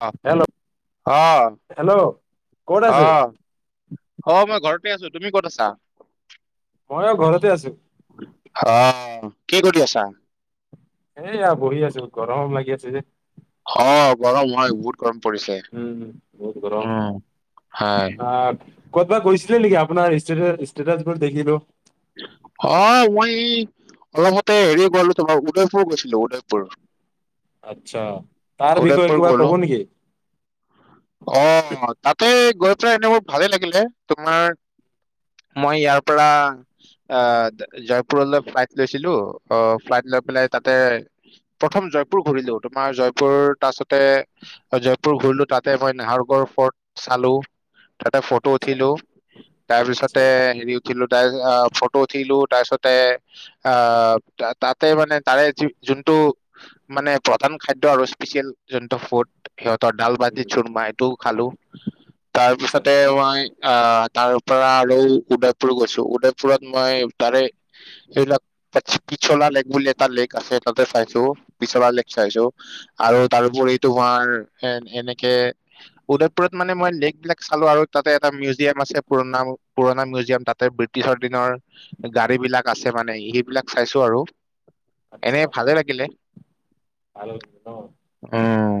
অ, hello hello ক'ত আছে অ। অ' মই ঘৰতে আছো তুমি ক'ত আছা? মইও ঘৰতে আছোঁ। অ' কি কৰি আছা? এয়া বহি আছো, গৰম লাগি আছে যে। অ' গৰম হয় বহুত গৰম পৰিছে উম অ' হয়। আ। ক'তবা গৈছিলে নেকি আপোনাৰ ষ্টেটাচ ষ্টেটাছবোৰ দেখিলোঁ। অ মই এই অলমতে হেৰি [unintelligible] উদয়পুৰ গৈছিলো উদয়পুৰ। আৰ্টছা তাৰ বিষয়ে উদয়পুৰ কিবা গলো কব নেকি? অ' তাতে গৈ পেলাই এনেবোৰ ভালে লাগিলে তোমাৰ মই ইয়াৰ পৰা আ জয়পুৰলৈ ফ্লাইট লৈছিলো, অ' ফ্লাইট লৈ পেলাই তাতে প্ৰথম জয়পুৰ ঘূৰিলো, তোমাৰ জয়পুৰ তাৰছতে জয়পুৰ ঘূৰিলো তাতে মই নাহৰগড় ফৰ্ট চালো। তাতে ফটো আচ্ছা উঠিলো, তাৰ আচ্ছা পিছতে হেৰি উঠিলো তাৰ আ ফটো উঠিলো তাৰপিছতে আ তাতে মানে তাৰে যোনটো মানে প্ৰধান খাদ্য আৰু স্পেচিয়েল যোনটো ফুড সিহঁতৰ ভাতি চুৰমা এইটো খালো, তাৰ আচ্ছা পিছতে মই অ তাৰ পৰা আৰু উদয়পুৰত গৈছো। উদয়পুৰত মই তাৰে সেইবিলাক পিছলা লেক বুলি এটা লেক আছে তাতে চাইছো পিছলা লেক চাইছো। আৰু তাৰ উপৰি তোমাৰ এনেকে উদয়পুৰত মানে মই লেক বিলাক চালো আৰু তাতে এটা মিউজিয়াম আছে পুৰণা পুৰণা মিউজিয়াম তাতে পিচ দিনৰ গাড়ী বিলাক আছে মানে সেইবিলাক চাইছো আৰু। এনে আচ্ছা ভালে লাগিলে। ভাল ন? উম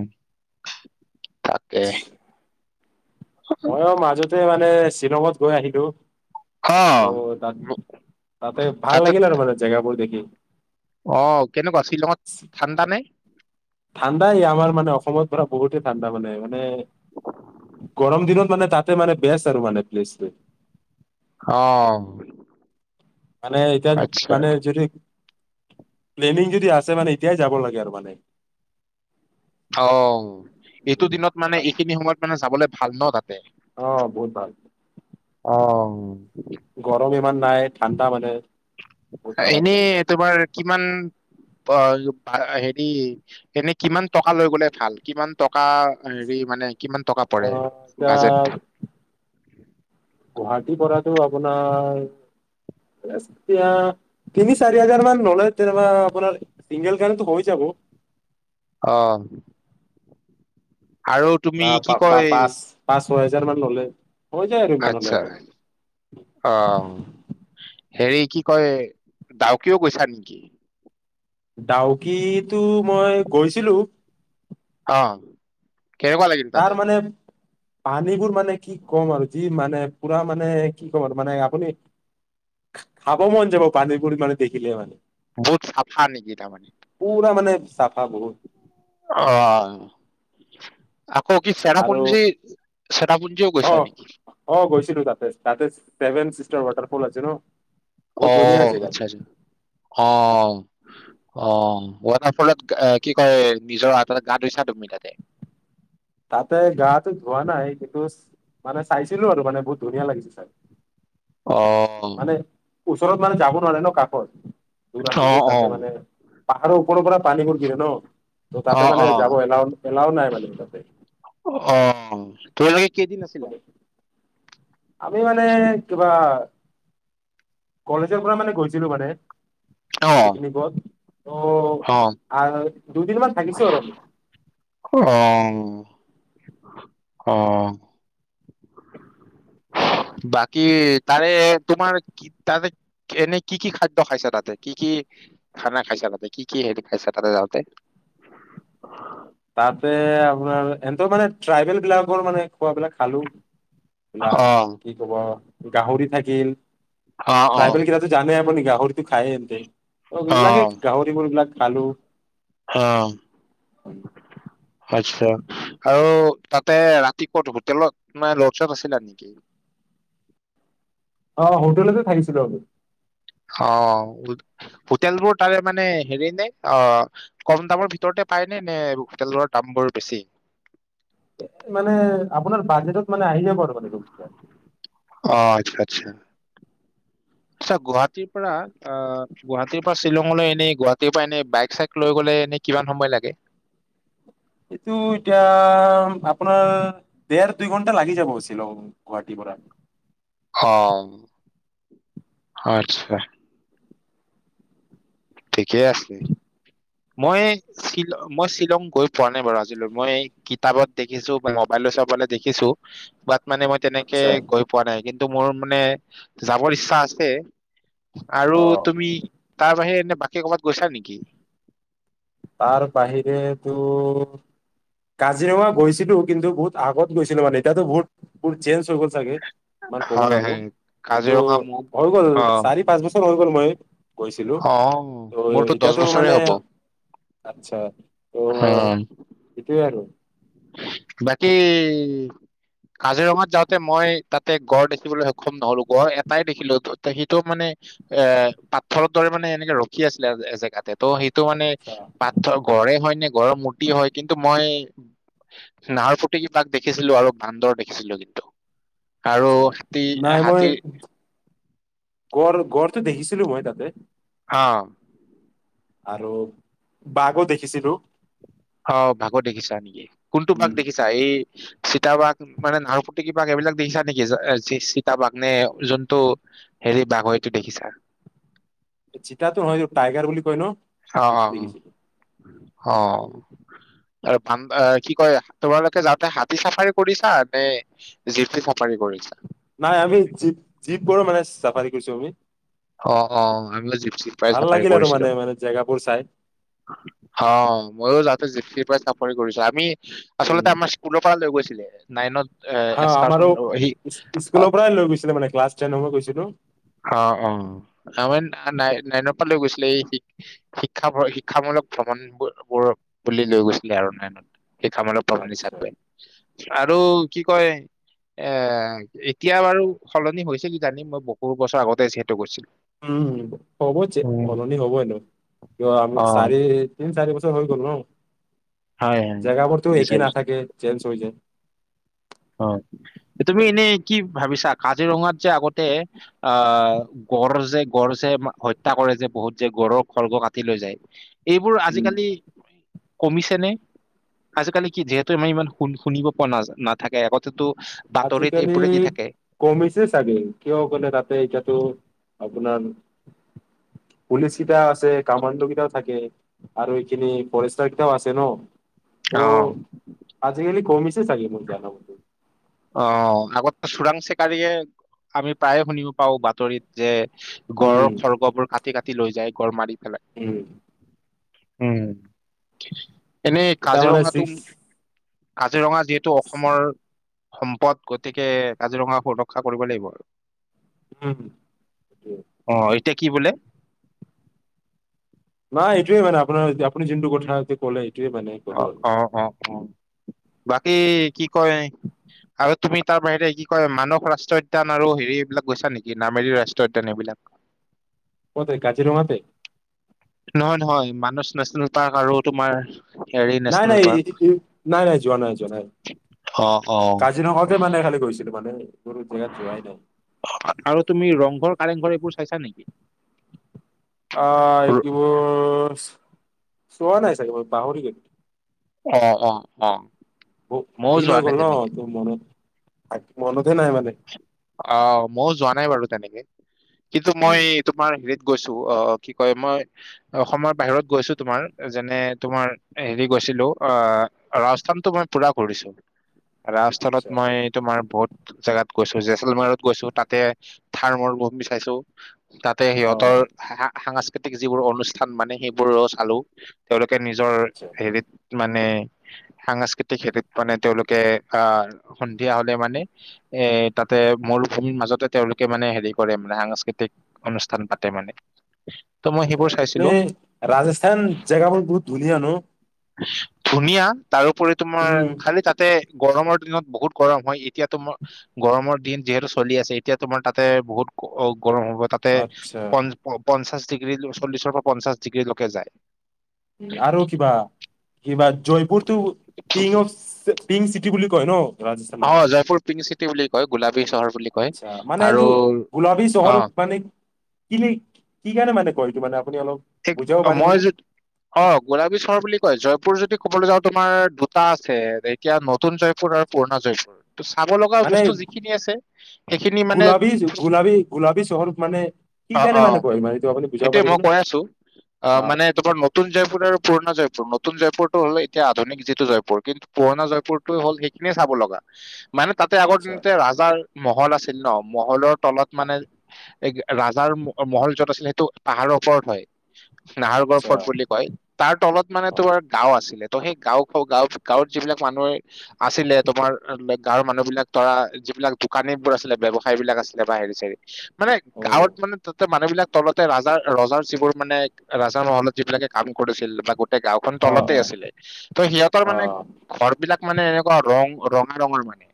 তাকে। মই উ মাজতে মানে শ্বিলঙত গৈ আহিলো। অ তাত তাতে ভাল তাৰপিছত লাগিল আৰু মানে জেগাবোৰ দেখি। অ কেনেকুৱা শ্বিলঙত ঠাণ্ডা নে? ঠাণ্ডাই আমাৰ মানে অসমত ধৰা বহুতেই ঠাণ্ডা মানে মানে। গৰম দিনত মানে তাতে মানে বেছ আৰু মানে প্লেচ। অ। মানে এতিয়া আচ্ছা মানে যদি প্লেনিং যদি আছে এতিয়াই যাব লাগে আৰু মানে। অ এইটো দিনত মানে এইখিনি সময়ত মানে যাবলে ভাল ন তাতে। অ বহুত ভাল। অ। গৰম ইমান নাই ঠাণ্ডা মানে। বহুত ভাল আৰু এনেই মানে। তোমাৰ কিমান অ হেৰি এনেই কিমান টকা লৈ গলে ভাল কিমান টকা হেৰি মানে কিমান টকা অ পৰে এতিয়া বাজেট? গুৱাহাটীৰ পৰাটো আপোনাৰ এতিয়া তিনি চাৰি হাজাৰ মান ল'লে তেনেকুৱা আপোনাৰ চিংগল কাৰণো হৈ যাব। অ। আৰু তুমি বা কি বা কয়? পাঁচ পাঁচ ছয় হেজাৰ মান ললে। হৈ যায় আৰু ইমান হ'লে আচ্ছা। আপোনাৰ। অ হেৰি কি কয় ডাউকেও গৈছা নেকি? ডাউকো টো মই গৈছিলো। অ কেনেকুৱা লাগিল? তাতে তাৰ মানে পানীবোৰ মানে কি ক'ম আৰু যি মানে পুৰা মানে কি ক'ম আৰু মানে আপুনি খাব মন যাব পানী বোৰ মানে দেখিলে হয়। বহুত চাফা নেকি তাৰমানে? পুৰা মানে চাফা বহুত। অঁ। আকৌ কি আৰু চেৰাপুঞ্জী চেৰাপুঞ্জীও অ গৈছা নেকি? অ গৈছিলো তাতে। তাতে ছেভেন চিষ্টাৰ ৱাটাৰফল আছে ন? অ বহুত ধুনীয়া জেগা [inaudible] অ। অ', ৱাটাৰফলত কি কয়, নিজৰ হাতে গা ধুইছা তুমি তাতে? তাতে গাটো ধোৱা নাই, কিন্তু মানে চাইছিলো আৰু মানে বহুত ধুনীয়া লাগিছে চাই। অ'। মানে, ওচৰত মানে যাব নোৱাৰে ন', কাষত, দূৰ অ আছ যে তাতে অ মানে। পাহাৰৰ ওপৰৰ পৰা পানীবোৰ গিৰে ন', ত তাতে মানে যাব এলা, এলাও নাই মানে তাতে। অ', তোমালোকে কেইদিন আছিলা? আমি মানে কিবা কলেজৰ পৰা মানে গৈছিলো মানে, পিকনিকত, ত' আৰু দুদিনমান থাকিছো আৰু আমি। অ', অ'। [inaudible] বাকী, তাৰে তোমাৰ তাতে এনে, কি, কি খাদ্য খাইছা তাতে, কি, কি? খানা খাইছা, তাতে কি হেৰি খাইছা তাতে যাওঁতে? তাতে আপোনাৰ মানে, সিহঁতৰ মানে ট্ৰাইবেল বিলাকৰ মানে খোৱাবিলাক খালো, এইিলাক অঁ, কি কব, গাহৰি থাকিল। অঁ, অঁ, ট্ৰাইবেল কেইটাতো জানে আপুনি, গাহৰিটো খায়ে সিহঁতে। এইবিলাকে অঁ, গাহৰি সেইবোৰ বিলাক খালো। অ'। আচ্ছা, আৰু তাতে ৰাতি ক'ত হোটেলত মানে, কি লজত আছিলা নেকি? অ', হোটেলতে থাকিছিলো আমি। অ', হোটেল বোৰ তাৰে মানে হেৰি নে, অ' কম দামৰ ভিতৰতে পাই নে, নে হোটেলৰ দাম বোৰ বেছি? মানে, আপোনাৰ বাজেটত মানে আহি যাব আৰু মানে সেইটো। অ', আচ্ছা, আচ্ছা। [unintelligible] আচ্ছা গুৱাহাটীৰ পৰা অ গুৱাহাটীৰ পৰা শ্বিলংলৈ এনে গুৱাহাটীৰ পৰা এনে বাইক চাইক লৈ গলে এনে কিমান সময় লাগে? এইটো এতিয়া আপোনাৰ ডেৰ দুই ঘন্টা লাগি যাব শ্বিলং। গুৱাহাটী পৰা। অ আচ্ছা। ঠিকেই আছে। মই এই মই শ্বিলং গৈ পোৱা নাই বাৰু আজিলৈ মই এই কিতাপত দেখিছো বা মোবাইলে চোবাইলে দেখিছো বা মানে মই তেনেকে আচ্ছা গৈ পোৱা নাই কিন্তু মোৰ মানে যাবৰ ইচ্ছা আছে। আৰু অ তুমি তাৰ বাহিৰে এনে বাকী ক'ৰবাত গৈছা নেকি? তাৰ বাহিৰে তো কাজিৰঙা গৈছিলো কিন্তু বহুত আগত গৈছিলো মানে এয়াতো বহুত বহু চেঞ্জ হৈ গ'ল চাগে। ইমান ক'ব হয় নোৱাৰো হয় কিন্তু কাজিৰঙা মোক হৈ গ'ল অ চাৰি পাঁচ বছৰ হৈ গ'ল মই গৈছিলো অ ত মোৰতো দহ এতিয়াতো বছৰে মানে আচ্ছা ত' হা। সেইটোৱে আৰু। বাকী কাজিৰঙাত যাওঁতে মই তাত তে গড় দেখিবলৈ সক্ষম নহ'লো গড় এটাই দেখিলো ত সেইটো মানে এ পাথৰৰ দৰে মানে এনেকে ৰখি আছিলে এজেগাত। অ সেইটো মানে আচ্ছা পাথ গড়ে হয় নে গড়ৰ মূৰ্তি হয় কিন্তু মই নাহৰফুটুকী বাঘ দেখিছিলো আৰু বান্দৰ দেখিছিলো কিন্তু আৰু আচ্ছা হাতী এ হাতী গঁড় গড়টো দেখিছিলো মই তাতে অ আৰু বাঘো দেখিছিলোঁ অ বাঘো দেখিছা নিকি কোনটো বাঘ উম দেখিছা এই চিতাবাঘ মানে নাহৰফুটুকী বাঘ এইবিলাক দেখিছা নিকি নে চিতাবাঘ নে যোনটো হেৰি বাঘৰ এটো দেখিছা চিতাতো হয় অ টাইগাৰ বুলি কয় ন অ অ সেইটো উ দেখিছিলো অ আৰু ভান এ কি কয় তোমালোকে যাওতে হাতী চাফাৰী কৰিছা নে জিফটি চাফাৰী কৰিছা নাই আমি জীপ জীপ গৰ মানে চাফাৰী কৰিছো আমি অ অ ভাংলা জিপচি ভাল লাগিল আৰু মানে মানে জেগাবোৰ চাই অ মইও যাওঁতে জিপচি পা চাফাৰি কৰিছো আমি আচলতে উম আমাৰ স্কুল পা লৈ গৈছিলে নাইনত এ হা এস্কাৰচন আমাৰো সি স্ক অ স্কুলৰ পাই লৈ গৈছিলে মানে ক্লাছ টেন পা গৈছিলোঁ অ অ আমাৰ নাই নাইনৰ পৰা লৈ গৈছিলে এই শিক শিক্ষা ভ শিক্ষামূলক ভ্ৰমণ ব বোৰ বুলি লৈ গৈছিলে আৰু নাইনত শিক্ষামূলক আচ্ছা, হিচাপে আৰু কি কয় এ এতিয়া বাৰু সলনি হৈছে কিজানি মই বহু বছৰ আগতে যিহেতু গৈছিলো উম হ'ব উম সলনি হ'বই ন কিয় আমি অ চাৰি তিন চাৰি বছৰ হৈ গ'ল ন হয় হয় জেগাবোৰতো তিনি একেই চাৰি বছৰ নাথাকে চেঞ্জ হৈ যায় অ তুমি এনেই কি ভাবিছা কাজিৰঙাত যে আগতে আহ গড় যে গড় যে হত্যা কৰে যে বহুত যে গড়ৰ খৰ্গ কাটি লৈ যায় এইবোৰ উম আজিকালি কমিছে নে আজিকালি কি যিহেতু আমি ইমান শুন শুনিব পোৱা নাযা না থাকে আগতেটো বাতৰিত আজিকালি এইবোৰে দি কমিছে চাগে কিয় কলে তাতে এতিয়াতো আপোনাৰ পুলিচ কেইটা আছে কামাণ্ড কেইটাও থাকে আৰু এইখিনি ফৰেষ্টাৰ কিতাও আছে ন ত অ আজিকালি কমিছে চাগে মোৰ যানা মতে অ আগতে ত চোৰাং চিকাৰীয়ে আমি প্ৰায়ে শুনিব পাওঁ বাতৰিত যে উম গড়ৰ খৰ্গবোৰ কাটি কাটি লৈ যায় গড় মাৰি পেলাই উম্ উম্ এনেই এতিয়া মানে কাজিৰঙাটো ছিক্স কাজিৰঙা যিহেতু অসমৰ সম্পদ গতিকে কাজিৰঙাক সুৰক্ষা কৰিব লাগিব আৰু উম্ অ এতিয়া কি বোলে নাই এইটোৱে মানে আপোনাৰ আপুনি যোনটো কথা এতিয়া কলেই অ অ অ অ বাকী কি কয় আৰু তুমি তাৰ বাহিৰে কি কয় মানস ৰাষ্ট্ৰীয় উদ্যান আৰু হেৰি এইবিলাক গৈছা নেকি নামেৰি ৰাষ্ট্ৰীয় উদ্যান এইবিলাক? ক'তে কাজিৰঙাতেই? নহয়- নহয় মানস নেচনেল পাৰ্ক আৰু তোমাৰ হেৰি নাই, নেচনেল নাই [unintelligible] পাৰ্ক নাই, নাই, যোৱা নাই, যোৱা নাই। অ', অ'। কাজিৰঙাতহে মানে খালি গৈছিলোঁ মানে [unintelligible] জেগাত যোৱাই নাই আৰু তুমি ৰংঘৰ, কাৰেংঘৰ এইবোৰ চাইছা নেকি? অ, ৰ- এইকেবোৰ চোৱা নাই চাগে, মই পাহৰি গৈছো। অ- অ- অ। বৌ ময়ো দিন যোৱা হৈ নাই গ'ল তেনেকে ন, তোৰ মনত [unintelligible] মনতেই নাই মানে। অ, মইও যোৱা নাই বাৰু, তেনেকে কিন্তু উম মই তোমাৰ হেৰিত গৈছোঁ অ, অ, কি কয়, মই অসমৰ বাহিৰত গৈছোঁ তোমাৰ যেনে তোমাৰ হেৰি গৈছিলোঁ আ ৰাজস্থান তোমাৰ পুৰা কৰিছোঁ। [unintelligible] ৰাজস্থানত আচ্ছা মই তোমাৰ বহুত জেগাত গৈছো। জেচলমাৰত গৈছোঁ তাতে, থাৰ মৰুভূমি চাইছোঁ। তাতে অ সিহঁতৰ সা-সা-সাংস্কৃতিক যিবোৰ অনুষ্ঠান মানে সেইবোৰো চালোঁ। তেওঁলোকে নিজৰ আচ্ছা হেৰিত মানে, সাংস্কৃতিক হেৰিত মানে তেওঁলোকে আহ, সন্ধিয়া হ'লে মানে, এ তাতে মৰুভূমিৰ মাজতে তেওঁলোকে মানে হেৰি কৰে মানে সাংস্কৃতিক অনুষ্ঠান পাতে মানে। ত' মই সেইবোৰ নে চাইছিলো ৰাজস্থান জেগাবোৰ বহুত ধুনীয়া ন'? ধুনীয়া তাৰোপৰি তোমাৰ উম খালি তাত তে গৰমৰ দিনত বহুত গৰম হয় এতিয়া তোম গৰমৰ দিন যিহেতু চলি আছে এতিয়া তোমাৰ তাতে বহুত অ' গৰম হ'ব তাত তে আচ্ছা পন প-পঞ্চাশ ডিগ্ৰীল চল্লিশৰ পৰা পঞ্চাশ ডিগ্ৰীলৈকে যায়। আৰু কিবা কিবা জয়পুৰটো পিং অফ পিং চিটি বুলি কয় ন? অ, ৰাজস্থানৰ জয়পুৰ পিংক চিটি বুলি কয়, গোলাবী চহৰ বুলি। কয় মা মানে আৰু এইটো গোলাপী অ চহৰ মানে [unintelligible] কি কাৰণে মানে কয় এইটো মানে আপুনি অলপ বুজাব [unintelligible] অ, মই পাৰিবনে য অ, গোলাবী চহৰ বুলি কয়, জয়পুৰ যদি কবলৈ যাওঁ তোমাৰ দুটা আছে। এতিয়া নতুন জয়পুৰ আৰু পুৰণা জয়পুৰ। ত' চাব লগা মানে বস্তু যিখিনি আছে, সেইখিনি মানে গোলাবী গোলাবী গোলাবী চহৰ মানে কি অ' কাৰণে অ' মানে কয় মানে এইটো আপুনি বুজাব সেইটোয়ে মই পাৰিবনে কৈ আছোঁ, অ আহ মানে তোমাৰ নতুন জয়পুৰ আৰু পুৰণা জয়পুৰ। নতুন জয়পুৰটো হ'লে এতিয়া আধুনিক যিটো জয়পুৰ কিন্তু পুৰণা জয়পুৰ টো হ'ল সেইখিনিয়ে চাব লগা। মানে তাতে আগৰ আচ্ছা দিনতে ৰাজাৰ মহল আছিল ন', মহলৰ তলত মানে- [unintelligible] এ ৰাজাৰ ম আ মহল য'ত আছিলে সেইটো পাহাৰৰ ওপৰত হয়, নাহাৰগড় আচ্ছা ফৰ্ট বুলি কয়। তাৰ তলত মানে অ তোমাৰ গাঁও আছিলে, ত' সেই গাঁওখ গাঁও গাঁৱত যিবিলাক মানুহে আছিলে তোমাৰ আ [unintelligible] গাঁৱৰ মানুহ বিলাক ধৰা যিবিলাক দোকানীবোৰ আছিলে ব্যৱস সায় বিলাক আছিলে বা হেৰি চেৰি, মানে অ গাঁৱত মানে তাতে মানুহ বিলাক তলতে ৰাজা ৰজাৰ যিবোৰ মানে ৰাজাৰ মহলত যিবিলাকে কাম কৰিছিল বা গোট টেই গাঁওখন অ তলতে আছিলে, অ ত' সিহঁতৰ অ মানে ঘৰ বিলাক মানে এনেকুৱা ৰং ৰঙা ৰঙাৰ মানে।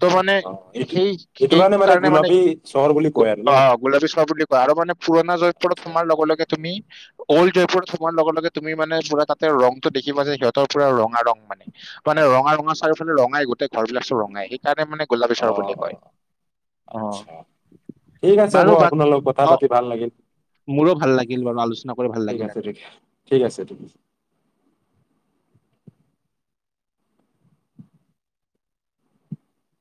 ত' মানে অ এইটো সেই এইটো সেই কাৰণে মানে গোলাপী চহৰ বুলি কয় আৰু ন অ' গোলাপী চহৰ বুলি কয়, আৰু মানে পোৰনা জয়পুৰত আচ্ছা সোমোৱা লগে লগে তুমি, অল্ড জয়পুৰত সোমোৱাৰ লগে লগে তুমি মানে পুৰা তাতে ৰংটো দেখিবা যে সিহঁতৰ পুৰা ৰঙা ৰং মানে। মানে ৰঙা ৰঙা চাৰওফালে ৰঙাই গোটেই ঘৰ বিলাক চ'ব ৰঙাই, সেই কাৰণে মানে গোলবি অ চহৰ বুলি অ কয়, অ' আচ্ছা ঠিক আছে হ'ব বাৰু আপোনাৰ বাকী লগত কথা পাতি ভাল লাগিল। মোৰো ভাল লাগিল বাৰু আলোচনা কৰি ভাল ঠিক লাগিল। আছে তেতিয়া ঠিক আছে।